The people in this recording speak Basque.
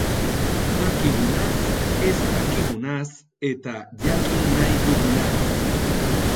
Dakigunaz, ez dakigunaz eta jakin nahi dugunaz.